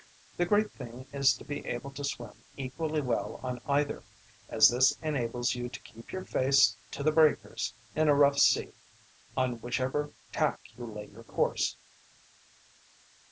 The great thing is to be able to swim equally well on either, as this enables you to keep your face to the breakers in a rough sea on whichever tack you lay your course.